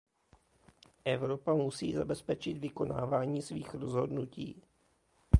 Evropa musí zabezpečit vykonávání svých rozhodnutí.